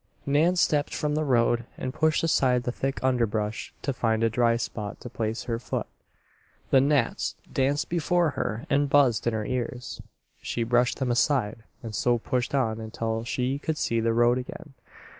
Nan stepped from the road and pushed aside the thick underbrush to find a dry spot to place her foot. The gnats danced before her and buzzed in her ears. She brushed them aside and so pushed on until she could see the road again.